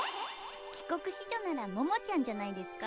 帰国子女ならももちゃんじゃないですか？